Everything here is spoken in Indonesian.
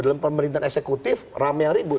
dalam pemerintahan eksekutif rame yang ribut